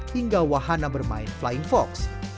hingga wahana bermain flying fox